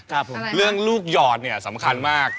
ครับผมอะไรนะครับเรื่องลูกหยอดเนี่ยสำคัญมาก